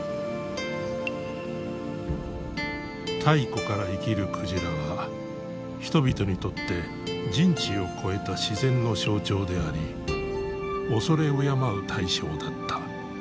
太古から生きる鯨は人々にとって人知を超えた自然の象徴であり畏れ敬う対象だった。